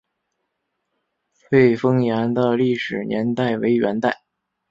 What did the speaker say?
翠峰岩的历史年代为元代。